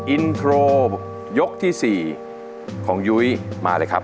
อินโทรยกที่๔ของยุ้ยมาเลยครับ